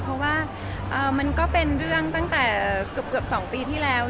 เพราะว่ามันก็เป็นเรื่องตั้งแต่เกือบ๒ปีที่แล้ว